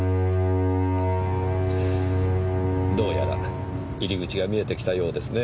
どうやら入り口が見えてきたようですねぇ。